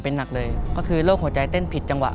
เป็นหนักเลยก็คือโรคหัวใจเต้นผิดจังหวะ